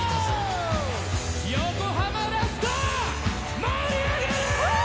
横浜ラスト盛り上がれ！